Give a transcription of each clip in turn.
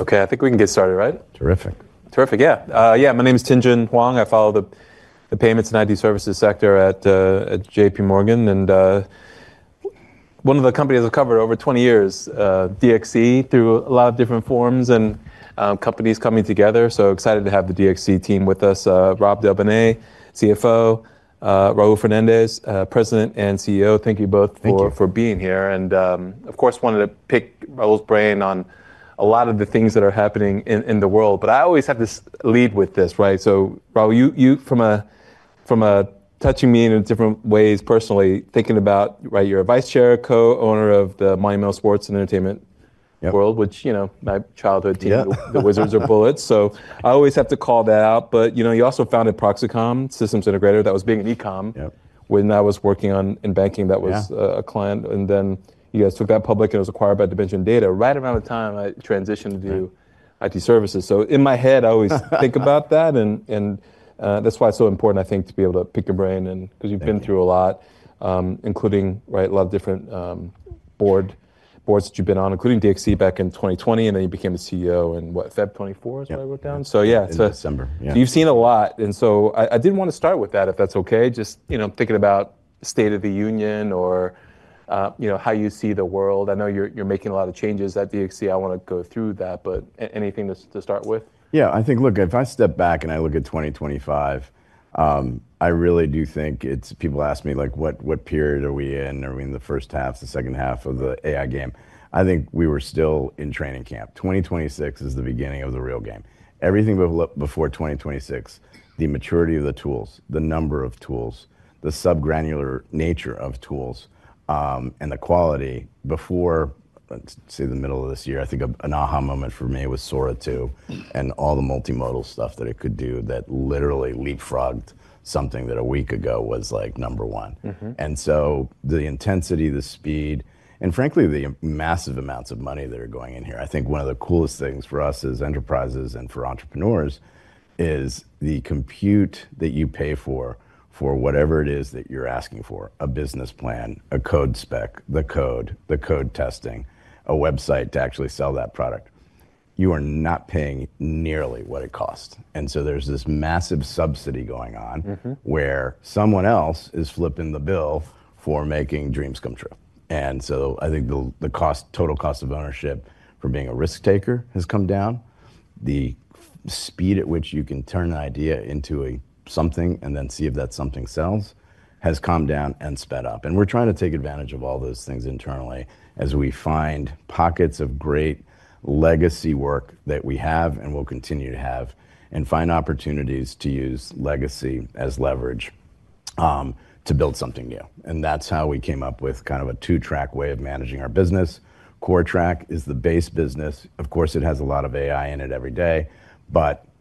Okay, I think we can get started, right? Terrific. Terrific, yeah. Yeah, my name is Tin Jun Huang. I follow the payments and IT services sector at JPMorgan. And one of the companies I've covered over 20 years, DXC, through a lot of different forms and companies coming together. So excited to have the DXC team with us. Rob Del Bene, CFO, Raul Fernandez, President and CEO. Thank you both for being here. Of course, wanted to pick Raul's brain on a lot of the things that are happening in the world. I always have to lead with this, right? Raul, you, from touching me in different ways personally, thinking about you're a vice chair, co-owner of the monumental sports and entertainment world, which my childhood team, the Wizards of Bullets. I always have to call that out. You also founded Proxicom, systems integrator. That was being an e-com when I was working on in banking. That was a client. You guys took that public and it was acquired by Dimension Data. Right around the time I transitioned to IT services. In my head, I always think about that. That is why it is so important, I think, to be able to pick your brain. Because you have been through a lot, including a lot of different boards that you have been on, including DXC back in 2020. You became the CEO in what, February 2024 is what I wrote down? December. Yeah. You've seen a lot. I didn't want to start with that, if that's OK. Just thinking about state of the union or how you see the world. I know you're making a lot of changes at DXC. I want to go through that. Anything to start with? Yeah, I think, look, if I step back and I look at 2025, I really do think people ask me, like, what period are we in? Are we in the first half, the second half of the AI game? I think we were still in training camp. 2026 is the beginning of the real game. Everything before 2026, the maturity of the tools, the number of tools, the subgranular nature of tools, and the quality before, say, the middle of this year, I think an aha moment for me was Sora 2 and all the multimodal stuff that it could do that literally leapfrogged something that a week ago was like number one. The intensity, the speed, and frankly, the massive amounts of money that are going in here. I think one of the coolest things for us as enterprises and for entrepreneurs is the compute that you pay for, for whatever it is that you're asking for, a business plan, a code spec, the code, the code testing, a website to actually sell that product. You are not paying nearly what it costs. There is this massive subsidy going on where someone else is flipping the bill for making dreams come true. I think the total cost of ownership for being a risk taker has come down. The speed at which you can turn an idea into something and then see if that something sells has come down and sped up. We are trying to take advantage of all those things internally as we find pockets of great legacy work that we have and will continue to have and find opportunities to use legacy as leverage to build something new. That is how we came up with kind of a two-track way of managing our business. Core track is the base business. Of course, it has a lot of AI in it every day.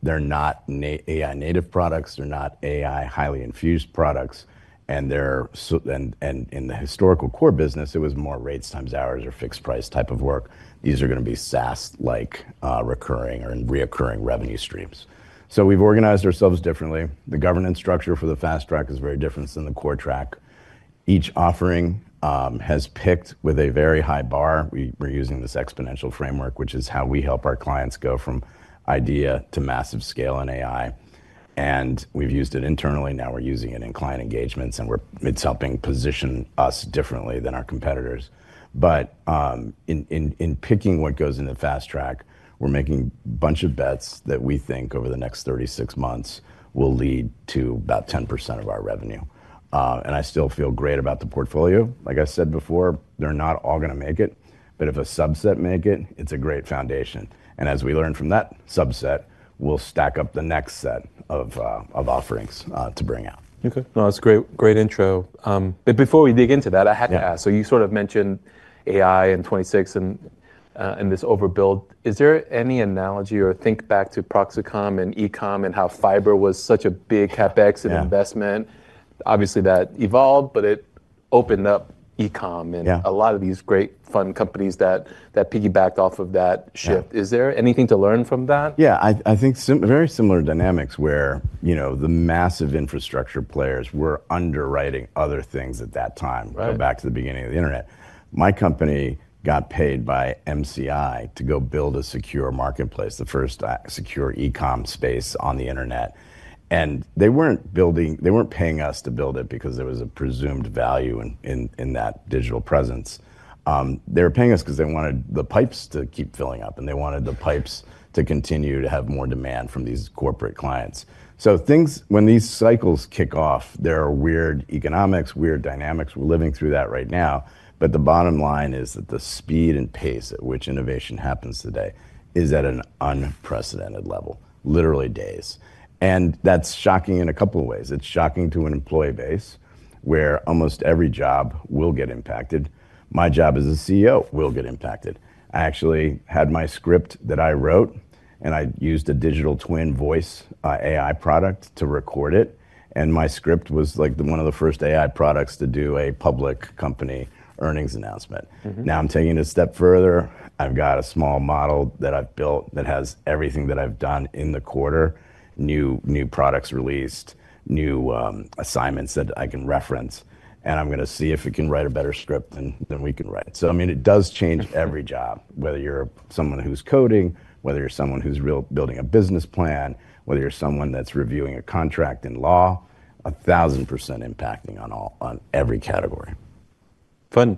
They are not AI native products. They are not AI highly infused products. In the historical core business, it was more rates times hours or fixed price type of work. These are going to be SaaS-like recurring or reoccurring revenue streams. We have organized ourselves differently. The governance structure for the fast track is very different than the core track. Each offering has picked with a very high bar. We're using this exponential framework, which is how we help our clients go from idea to massive scale in AI. We've used it internally. Now we're using it in client engagements. It's helping position us differently than our competitors. In picking what goes in the fast track, we're making a bunch of bets that we think over the next 36 months will lead to about 10% of our revenue. I still feel great about the portfolio. Like I said before, they're not all going to make it. If a subset makes it, it's a great foundation. As we learn from that subset, we'll stack up the next set of offerings to bring out. OK, no, that's a great intro. Before we dig into that, I have to ask. You sort of mentioned AI in 2026 and this overbuild. Is there any analogy or think back to Proxicom and e-com and how fiber was such a big CapEx and investment? Obviously, that evolved, but it opened up e-com and a lot of these great fun companies that piggybacked off of that shift. Is there anything to learn from that? Yeah, I think very similar dynamics where the massive infrastructure players were underwriting other things at that time. Go back to the beginning of the internet. My company got paid by MCI to go build a secure marketplace, the first secure e-com space on the internet. They were not paying us to build it because there was a presumed value in that digital presence. They were paying us because they wanted the pipes to keep filling up. They wanted the pipes to continue to have more demand from these corporate clients. When these cycles kick off, there are weird economics, weird dynamics. We are living through that right now. The bottom line is that the speed and pace at which innovation happens today is at an unprecedented level, literally days. That is shocking in a couple of ways. It's shocking to an employee base where almost every job will get impacted. My job as a CEO will get impacted. I actually had my script that I wrote. I used a digital twin voice AI product to record it. My script was like one of the first AI products to do a public company earnings announcement. Now I'm taking it a step further. I've got a small model that I've built that has everything that I've done in the quarter, new products released, new assignments that I can reference. I'm going to see if it can write a better script than we can write. I mean, it does change every job, whether you're someone who's coding, whether you're someone who's building a business plan, whether you're someone that's reviewing a contract in law, 1,000% impacting on every category. Fun.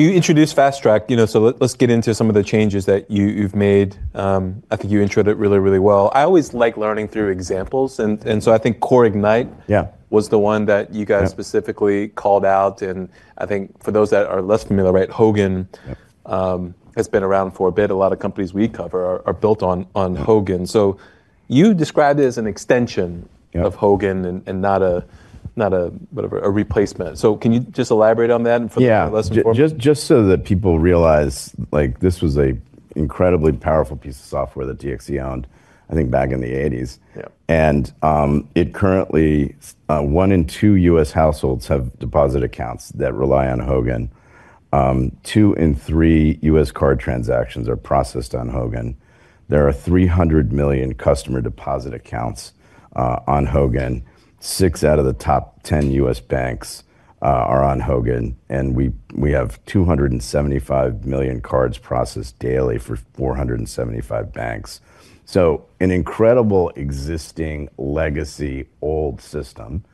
You introduced fast track. Let's get into some of the changes that you've made. I think you introd it really, really well. I always like learning through examples. I think Core Ignite was the one that you guys specifically called out. I think for those that are less familiar, right, Hogan has been around for a bit. A lot of companies we cover are built on Hogan. You described it as an extension of Hogan and not a replacement. Can you just elaborate on that for the lesson? Yeah, just so that people realize this was an incredibly powerful piece of software that DXC owned, I think, back in the 1980s. Currently, one in two U.S. households have deposit accounts that rely on Hogan. Two in three U.S. card transactions are processed on Hogan. There are 300 million customer deposit accounts on Hogan. Six out of the top 10 U.S. banks are on Hogan. We have 275 million cards processed daily for 475 banks. An incredible existing legacy old system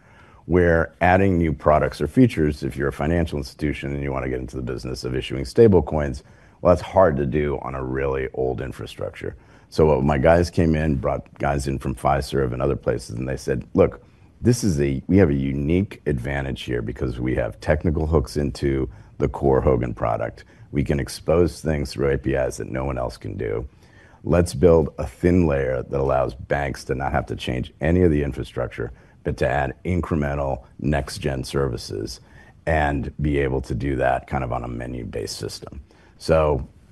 where adding new products or features, if you're a financial institution and you want to get into the business of issuing stable coins, that's hard to do on a really old infrastructure. My guys came in, brought guys in from Pfizer and other places. They said, look, we have a unique advantage here because we have technical hooks into the core Hogan product. We can expose things through APIs that no one else can do. Let's build a thin layer that allows banks to not have to change any of the infrastructure, but to add incremental next-gen services and be able to do that kind of on a menu-based system.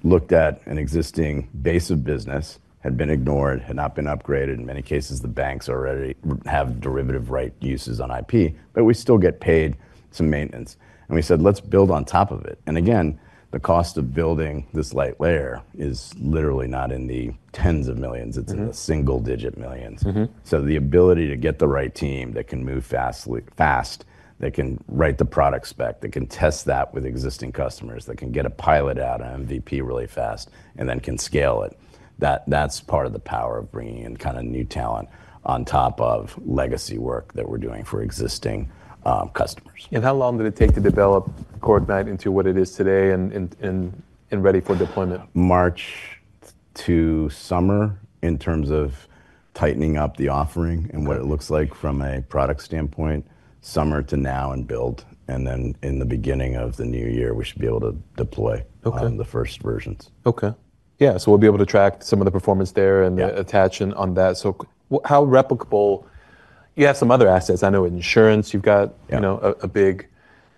Looked at an existing base of business, had been ignored, had not been upgraded. In many cases, the banks already have derivative right uses on IP. We still get paid some maintenance. We said, let's build on top of it. Again, the cost of building this light layer is literally not in the tens of millions. It's in the single-digit millions. The ability to get the right team that can move fast, that can write the product spec, that can test that with existing customers, that can get a pilot out on MVP really fast, and then can scale it, that's part of the power of bringing in kind of new talent on top of legacy work that we're doing for existing customers. How long did it take to develop Core Ignite into what it is today and ready for deployment? March to summer in terms of tightening up the offering and what it looks like from a product standpoint, summer to now and build. In the beginning of the new year, we should be able to deploy the first versions. OK, yeah. We'll be able to track some of the performance there and attach on that. How replicable? You have some other assets. I know insurance, you've got a big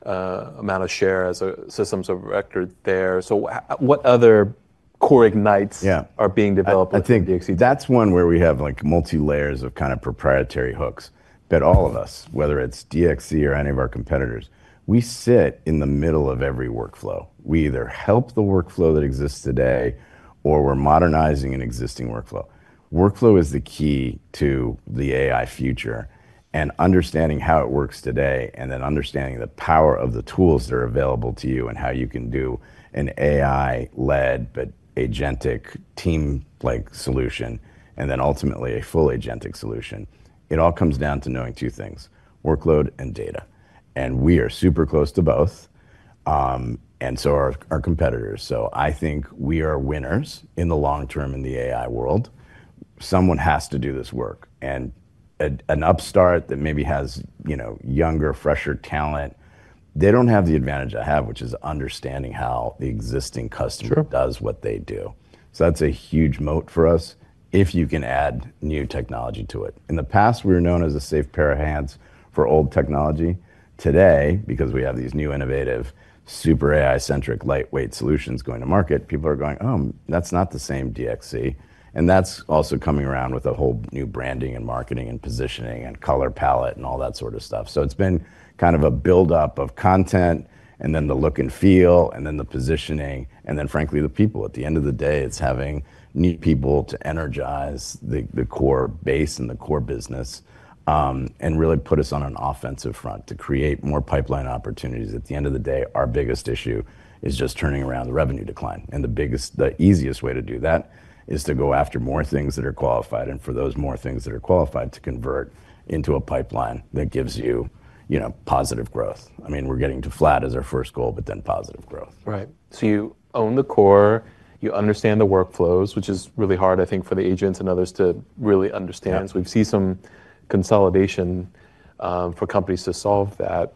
amount of share as a systems of record there. What other Core Ignites are being developed? I think that's one where we have multi-layers of kind of proprietary hooks. But all of us, whether it's DXC or any of our competitors, we sit in the middle of every workflow. We either help the workflow that exists today or we're modernizing an existing workflow. Workflow is the key to the AI future. And understanding how it works today and then understanding the power of the tools that are available to you and how you can do an AI-led but agentic team-like solution and then ultimately a full agentic solution, it all comes down to knowing two things, workload and data. And we are super close to both. And so are our competitors. So I think we are winners in the long term in the AI world. Someone has to do this work. An upstart that maybe has younger, fresher talent, they do not have the advantage I have, which is understanding how the existing customer does what they do. That is a huge moat for us if you can add new technology to it. In the past, we were known as a safe pair of hands for old technology. Today, because we have these new innovative super AI-centric lightweight solutions going to market, people are going, oh, that is not the same DXC. That is also coming around with a whole new branding and marketing and positioning and color palette and all that sort of stuff. It has been kind of a build-up of content and then the look and feel and then the positioning. Then, frankly, the people. At the end of the day, it's having new people to energize the core base and the core business and really put us on an offensive front to create more pipeline opportunities. At the end of the day, our biggest issue is just turning around the revenue decline. The easiest way to do that is to go after more things that are qualified. For those more things that are qualified to convert into a pipeline that gives you positive growth. I mean, we're getting to flat as our first goal, but then positive growth. Right. So you own the core. You understand the workflows, which is really hard, I think, for the agents and others to really understand. We've seen some consolidation for companies to solve that.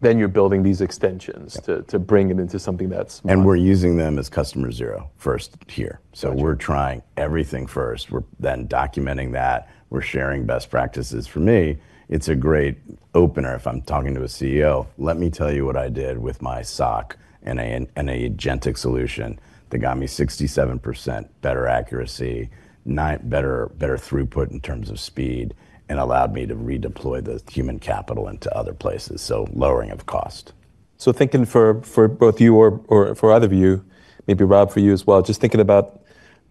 Then you're building these extensions to bring it into something that's more. We're using them as customer zero first here. We're trying everything first. We're then documenting that. We're sharing best practices. For me, it's a great opener if I'm talking to a CEO. Let me tell you what I did with my SOC and an agentic solution that got me 67% better accuracy, better throughput in terms of speed, and allowed me to redeploy the human capital into other places. Lowering of cost. Thinking for both you or for either of you, maybe Rob for you as well, just thinking about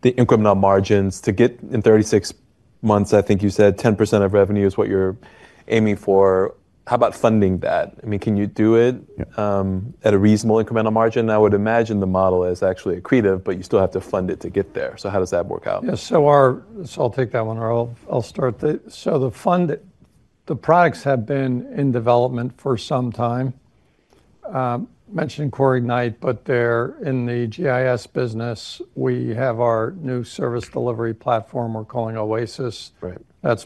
the incremental margins to get in 36 months, I think you said 10% of revenue is what you're aiming for. How about funding that? I mean, can you do it at a reasonable incremental margin? I would imagine the model is actually accretive, but you still have to fund it to get there. How does that work out? Yeah, so I'll take that one. I'll start. The products have been in development for some time. Mentioned Core Ignite, but they're in the GIS business. We have our new service delivery platform we're calling OASIS. That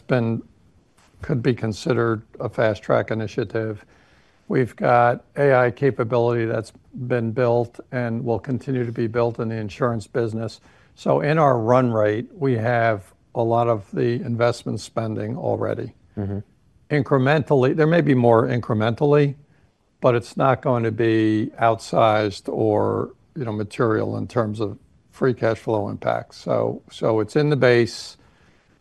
could be considered a fast track initiative. We've got AI capability that's been built and will continue to be built in the insurance business. In our run rate, we have a lot of the investment spending already. Incrementally, there may be more incrementally, but it's not going to be outsized or material in terms of free cash flow impact. It's in the base.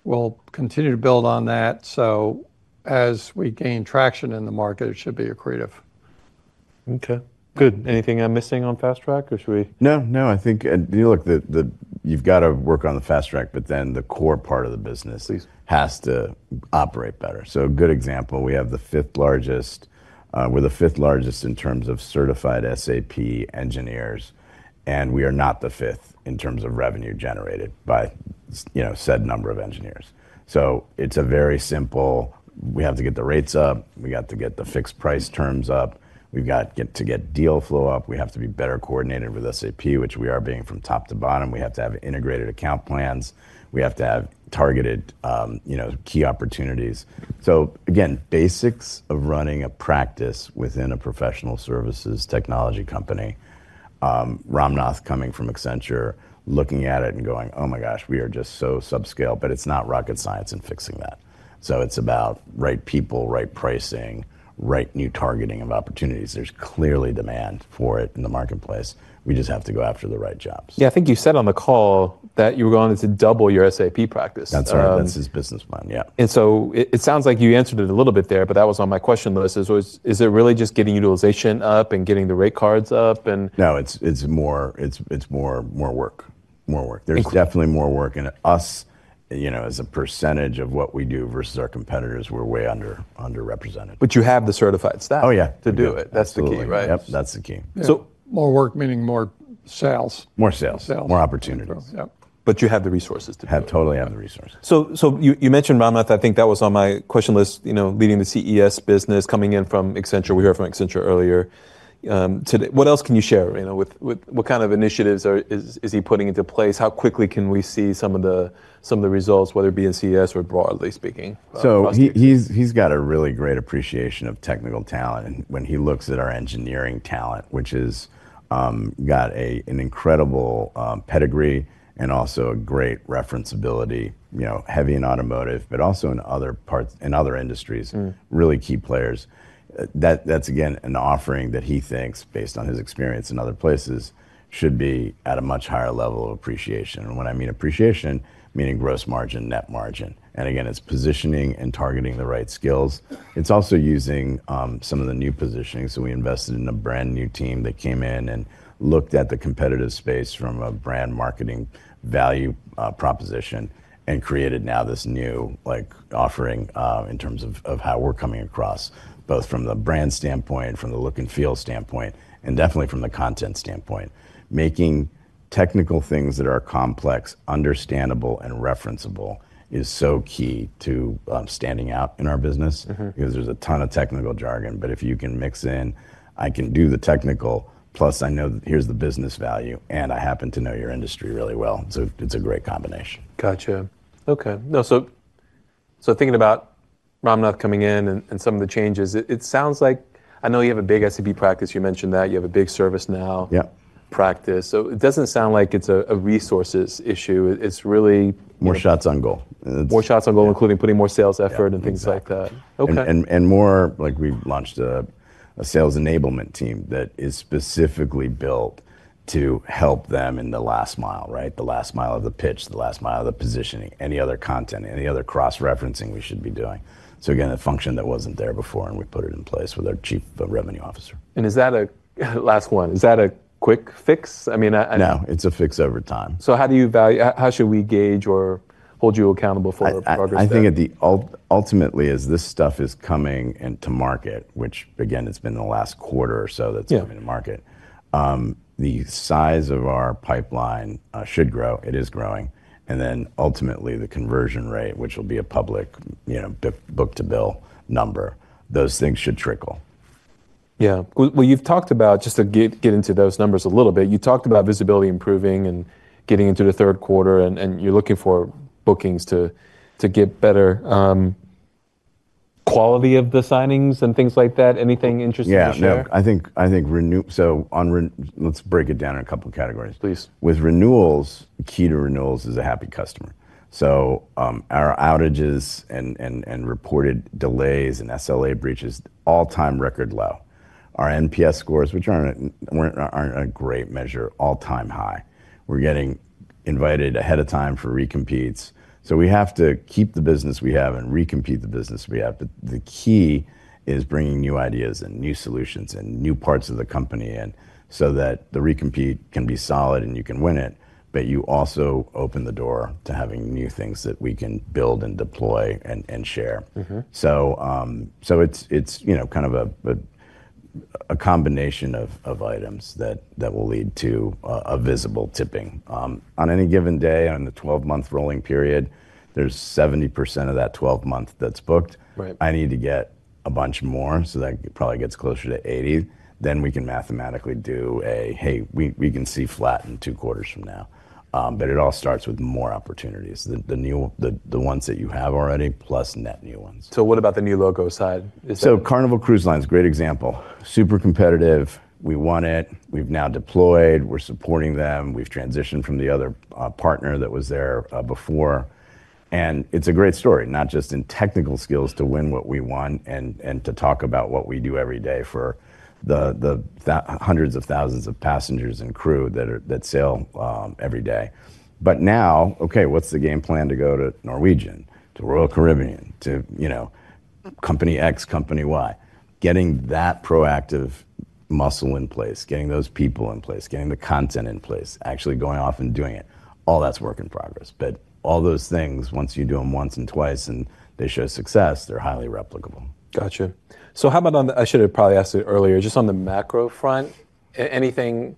We'll continue to build on that. As we gain traction in the market, it should be accretive. OK, good. Anything I'm missing on fast track or should we? No, no. I think you've got to work on the fast track, but then the core part of the business has to operate better. A good example, we have the fifth largest. We're the fifth largest in terms of certified SAP engineers. And we are not the fifth in terms of revenue generated by said number of engineers. It is very simple, we have to get the rates up. We've got to get the fixed price terms up. We've got to get deal flow up. We have to be better coordinated with SAP, which we are being from top to bottom. We have to have integrated account plans. We have to have targeted key opportunities. Again, basics of running a practice within a professional services technology company, Ramnath coming from Accenture, looking at it and going, oh my gosh, we are just so subscale. It's not rocket science in fixing that. It's about right people, right pricing, right new targeting of opportunities. There's clearly demand for it in the marketplace. We just have to go after the right jobs. Yeah, I think you said on the call that you were going to double your SAP practice. That's our business plan, yeah. It sounds like you answered it a little bit there, but that was on my question list. Is it really just getting utilization up and getting the rate cards up? No, it's more work. There's definitely more work. And us, as a percentage of what we do versus our competitors, we're way underrepresented. You have the certified staff to do it. That's the key, right? Yep, that's the key. More work meaning more sales. More sales, more opportunities. You have the resources to do it. I totally have the resources. You mentioned Ramnath. I think that was on my question list, leading the CES business, coming in from Accenture. We heard from Accenture earlier. What else can you share? What kind of initiatives is he putting into place? How quickly can we see some of the results, whether it be in CES or broadly speaking? He's got a really great appreciation of technical talent. When he looks at our engineering talent, which has got an incredible pedigree and also a great referenceability, heavy in automotive, but also in other parts, in other industries, really key players. That's, again, an offering that he thinks, based on his experience in other places, should be at a much higher level of appreciation. When I mean appreciation, meaning gross margin, net margin. Again, it's positioning and targeting the right skills. It's also using some of the new positioning. We invested in a brand new team that came in and looked at the competitive space from a brand marketing value proposition and created now this new offering in terms of how we're coming across, both from the brand standpoint, from the look and feel standpoint, and definitely from the content standpoint. Making technical things that are complex, understandable, and referenceable is so key to standing out in our business because there's a ton of technical jargon. If you can mix in, I can do the technical, plus I know here's the business value, and I happen to know your industry really well. It is a great combination. OK, so thinking about Ramnath coming in and some of the changes, it sounds like I know you have a big SAP practice. You mentioned that. You have a big ServiceNow practice. It doesn't sound like it's a resources issue. It's really. More shots on goal. More shots on goal, including putting more sales effort and things like that. We launched a sales enablement team that is specifically built to help them in the last mile, right? The last mile of the pitch, the last mile of the positioning, any other content, any other cross-referencing we should be doing. Again, a function that was not there before, and we put it in place with our Chief Revenue Officer. Is that a last one? Is that a quick fix? No, it's a fix over time. How do you value, how should we gauge or hold you accountable for the progress? I think ultimately, as this stuff is coming into market, which again, it's been the last quarter or so that's come into market, the size of our pipeline should grow. It is growing. Ultimately, the conversion rate, which will be a public book-to-bill number, those things should trickle. Yeah. You talked about, just to get into those numbers a little bit, you talked about visibility improving and getting into the third quarter. And you're looking for bookings to get better. Quality of the signings and things like that? Anything interesting to share? Yeah, I think so let's break it down in a couple of categories. Please. With renewals, key to renewals is a happy customer. Our outages and reported delays and SLA breaches, all-time record low. Our NPS scores, which are not a great measure, all-time high. We are getting invited ahead of time for recompetes. We have to keep the business we have and recompete the business we have. The key is bringing new ideas and new solutions and new parts of the company so that the recompete can be solid and you can win it. You also open the door to having new things that we can build and deploy and share. It is kind of a combination of items that will lead to a visible tipping. On any given day on the 12-month rolling period, there is 70% of that 12 month that is booked. I need to get a bunch more, so that probably gets closer to 80%. We can mathematically do a, hey, we can see flat in two quarters from now. It all starts with more opportunities, the ones that you have already plus net new ones. What about the new logo side? Carnival Cruise Line is a great example. Super competitive. We won it. We've now deployed. We're supporting them. We've transitioned from the other partner that was there before. It's a great story, not just in technical skills to win what we won and to talk about what we do every day for the hundreds of thousands of passengers and crew that sail every day. Now, OK, what's the game plan to go to Norwegian, to Royal Caribbean, to Company X, Company Y? Getting that proactive muscle in place, getting those people in place, getting the content in place, actually going off and doing it, all that's work in progress. All those things, once you do them once and twice and they show success, they're highly replicable. How about on the, I should have probably asked it earlier, just on the macro front, anything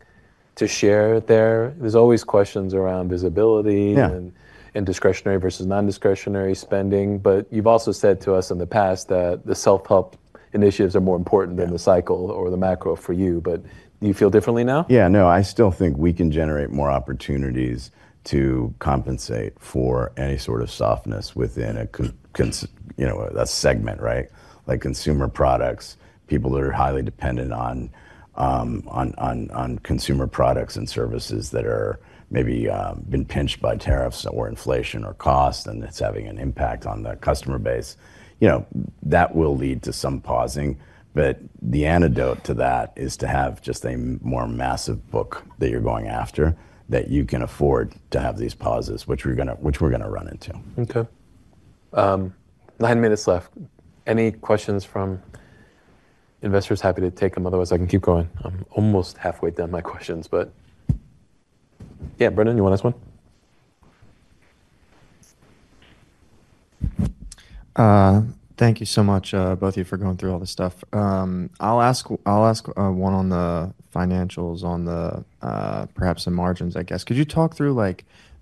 to share there? There's always questions around visibility and discretionary versus non-discretionary spending. You've also said to us in the past that the self-help initiatives are more important than the cycle or the macro for you. Do you feel differently now? Yeah, no, I still think we can generate more opportunities to compensate for any sort of softness within a segment, right? Like consumer products, people that are highly dependent on consumer products and services that are maybe being pinched by tariffs or inflation or cost, and it's having an impact on the customer base. That will lead to some pausing. The antidote to that is to have just a more massive book that you're going after that you can afford to have these pauses, which we're going to run into. OK. Nine minutes left. Any questions from investors? Happy to take them. Otherwise, I can keep going. I'm almost halfway done with my questions. Yeah, Brendan, you want to ask one? Thank you so much, both of you, for going through all this stuff. I'll ask one on the financials, on perhaps the margins, I guess. Could you talk through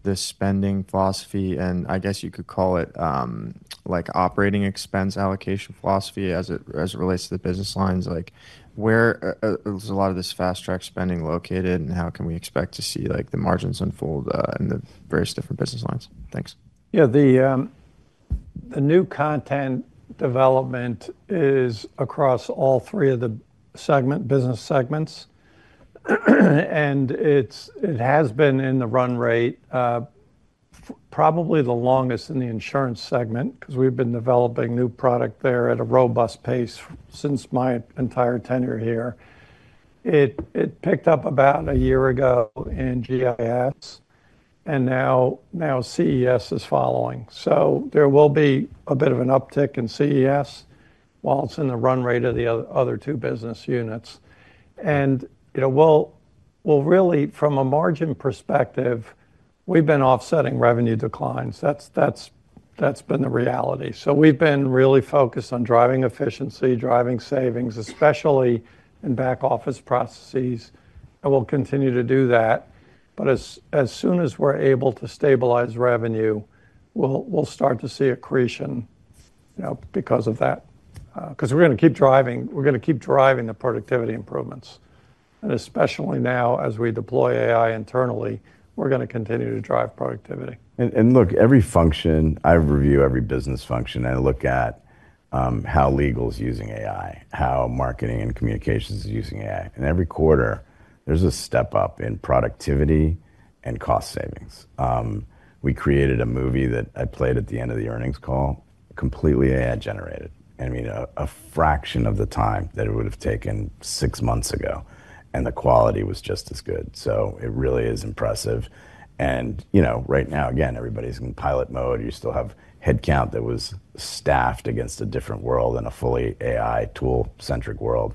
the spending philosophy? I guess you could call it operating expense allocation philosophy as it relates to the business lines. Where is a lot of this fast track spending located, and how can we expect to see the margins unfold in the various different business lines? Thanks. Yeah, the new content development is across all three of the business segments. It has been in the run rate, probably the longest in the insurance segment because we've been developing new product there at a robust pace since my entire tenure here. It picked up about a year ago in GIS. Now CES is following. There will be a bit of an uptick in CES while it's in the run rate of the other two business units. Really, from a margin perspective, we've been offsetting revenue declines. That's been the reality. We've been really focused on driving efficiency, driving savings, especially in back office processes. We'll continue to do that. As soon as we're able to stabilize revenue, we'll start to see accretion because of that. We're going to keep driving. We're going to keep driving the productivity improvements. Especially now, as we deploy AI internally, we're going to continue to drive productivity. Look, every function, I review every business function. I look at how legal is using AI, how marketing and communications is using AI. Every quarter, there is a step up in productivity and cost savings. We created a movie that I played at the end of the earnings call, completely AI generated. I mean, a fraction of the time that it would have taken six months ago. The quality was just as good. It really is impressive. Right now, again, everybody is in pilot mode. You still have headcount that was staffed against a different world and a fully AI tool-centric world.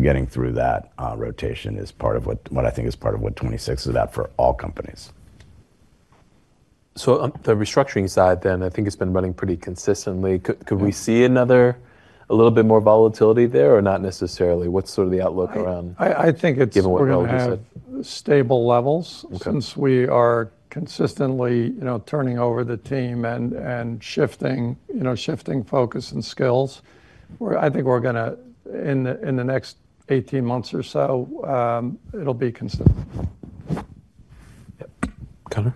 Getting through that rotation is part of what I think is part of what 2026 is about for all companies. On the restructuring side then, I think it's been running pretty consistently. Could we see a little bit more volatility there or not necessarily? What's sort of the outlook around given what Raul just said? I think it's stable levels since we are consistently turning over the team and shifting focus and skills. I think we're going to, in the next 18 months or so, it'll be consistent. Connor?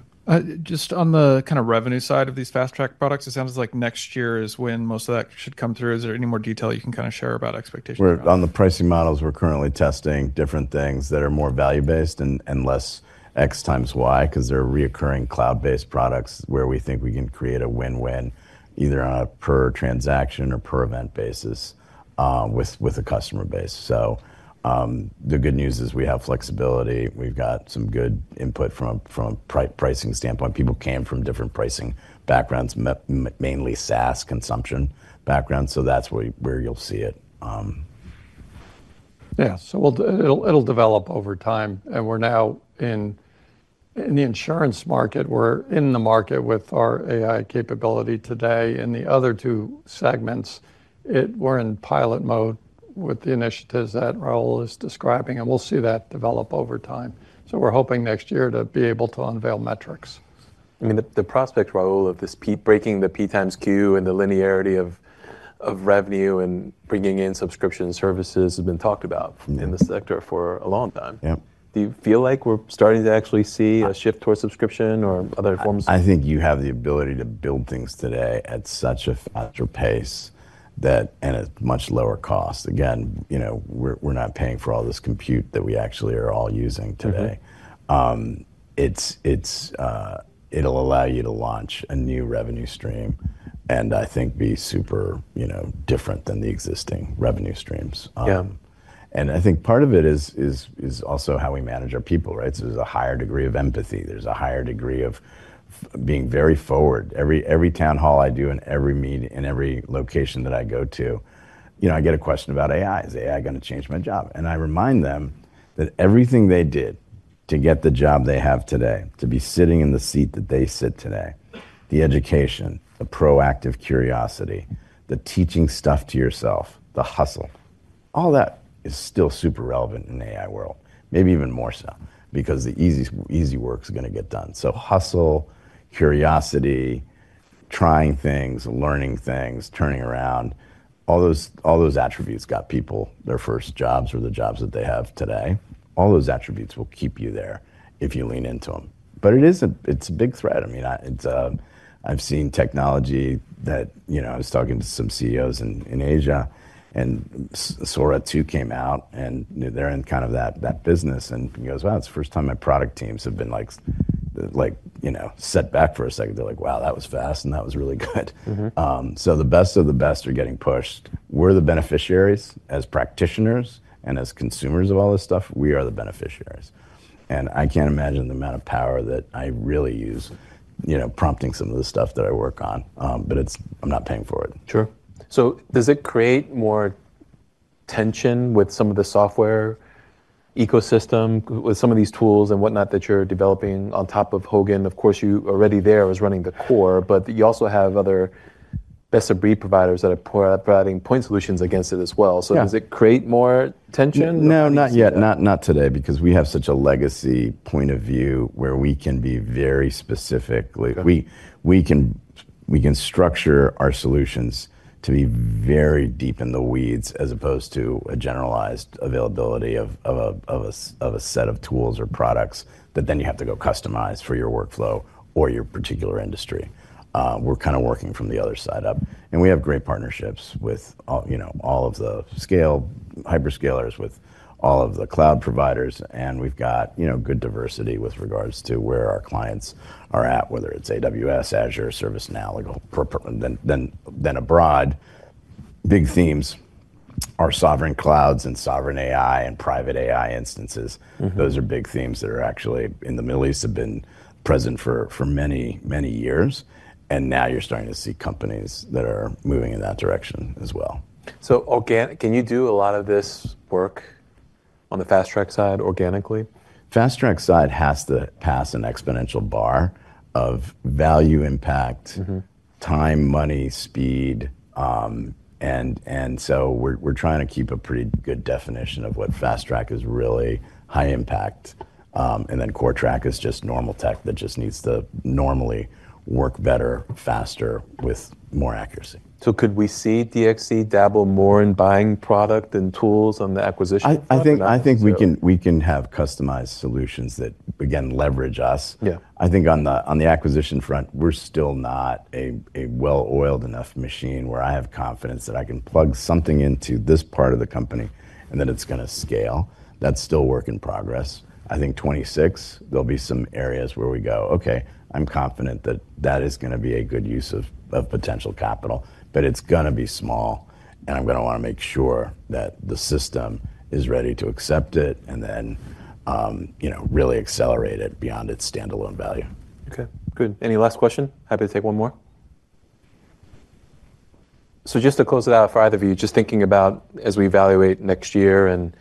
Just on the kind of revenue side of these fast track products, it sounds like next year is when most of that should come through. Is there any more detail you can kind of share about expectations? On the pricing models, we're currently testing different things that are more value-based and less X times Y because they're reoccurring cloud-based products where we think we can create a win-win, either on a per transaction or per event basis with a customer base. The good news is we have flexibility. We've got some good input from a pricing standpoint. People came from different pricing backgrounds, mainly SaaS consumption backgrounds. That's where you'll see it. Yeah, it'll develop over time. We're now in the insurance market. We're in the market with our AI capability today. In the other two segments, we're in pilot mode with the initiatives that Raul is describing. We'll see that develop over time. We're hoping next year to be able to unveil metrics. I mean, the prospect, Raul, of breaking the P times Q and the linearity of revenue and bringing in subscription services has been talked about in the sector for a long time. Do you feel like we're starting to actually see a shift towards subscription or other forms? I think you have the ability to build things today at such a faster pace and at much lower cost. Again, we're not paying for all this compute that we actually are all using today. It will allow you to launch a new revenue stream and I think be super different than the existing revenue streams. I think part of it is also how we manage our people, right? There is a higher degree of empathy. There is a higher degree of being very forward. Every town hall I do and every meeting in every location that I go to, I get a question about AI. Is AI going to change my job? I remind them that everything they did to get the job they have today, to be sitting in the seat that they sit today, the education, the proactive curiosity, the teaching stuff to yourself, the hustle, all that is still super relevant in the AI world, maybe even more so because the easy work is going to get done. Hustle, curiosity, trying things, learning things, turning around, all those attributes got people their first jobs or the jobs that they have today. All those attributes will keep you there if you lean into them. It is a big threat. I mean, I've seen technology that I was talking to some CEOs in Asia, and Sora 2 came out, and they're in kind of that business. He goes, wow, it's the first time my product teams have been set back for a second. They're like, wow, that was fast, and that was really good. The best of the best are getting pushed. We're the beneficiaries. As practitioners and as consumers of all this stuff, we are the beneficiaries. I can't imagine the amount of power that I really use prompting some of the stuff that I work on. I'm not paying for it. Sure. Does it create more tension with some of the software ecosystem, with some of these tools and whatnot that you're developing on top of Hogan? Of course, you already there was running the core. You also have other best-of-breed providers that are providing point solutions against it as well. Does it create more tension? No, not yet. Not today because we have such a legacy point of view where we can be very specific. We can structure our solutions to be very deep in the weeds as opposed to a generalized availability of a set of tools or products that then you have to go customize for your workflow or your particular industry. We're kind of working from the other side up. We have great partnerships with all of the hyperscalers, with all of the cloud providers. We have good diversity with regards to where our clients are at, whether it's AWS, Azure, ServiceNow, then abroad. Big themes are sovereign clouds and sovereign AI and private AI instances. Those are big themes that are actually in the Middle East, have been present for many, many years. Now you're starting to see companies that are moving in that direction as well. Can you do a lot of this work on the fast track side organically? Fast track side has to pass an exponential bar of value, impact, time, money, speed. We're trying to keep a pretty good definition of what fast track is, really high impact. Core track is just normal tech that just needs to normally work better, faster, with more accuracy. Could we see DXC dabble more in buying product and tools on the acquisition front? I think we can have customized solutions that, again, leverage us. I think on the acquisition front, we're still not a well-oiled enough machine where I have confidence that I can plug something into this part of the company and that it's going to scale. That's still work in progress. I think 2026, there'll be some areas where we go, OK, I'm confident that that is going to be a good use of potential capital. It is going to be small. I am going to want to make sure that the system is ready to accept it and then really accelerate it beyond its standalone value. OK, good. Any last question? Happy to take one more. Just to close it out for either of you, just thinking about as we evaluate next year and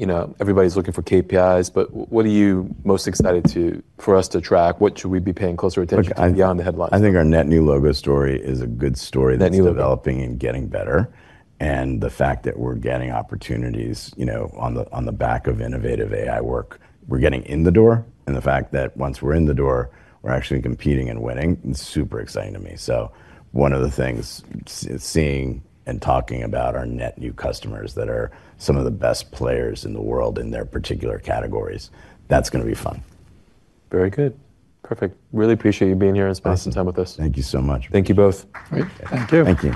everybody's looking for KPIs, but what are you most excited for us to track? What should we be paying closer attention to beyond the headlines? I think our net new logo story is a good story that's developing and getting better. The fact that we're getting opportunities on the back of innovative AI work, we're getting in the door. The fact that once we're in the door, we're actually competing and winning is super exciting to me. One of the things seeing and talking about our net new customers that are some of the best players in the world in their particular categories, that's going to be fun. Very good. Perfect. Really appreciate you being here and spending some time with us. Thank you so much. Thank you both. Thank you. Thank you.